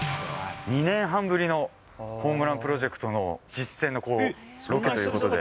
２年半ぶりのホームランプロジェクトの実践のロケということで。